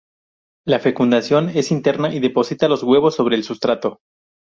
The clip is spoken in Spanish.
La fecundación es interna y deposita los huevos sobre el sustrato.